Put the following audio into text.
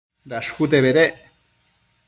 Dashcute bedec